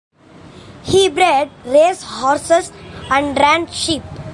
He bred racehorses and ran sheep.